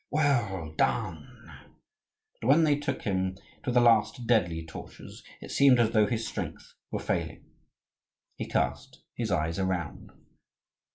well done!" But when they took him to the last deadly tortures, it seemed as though his strength were failing. He cast his eyes around.